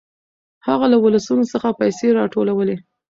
هغه له ولسونو څخه پيسې راټولولې.